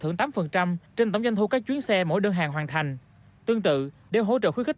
thưởng tám trên tổng doanh thu các chuyến xe mỗi đơn hàng hoàn thành tương tự để hỗ trợ khuyến khích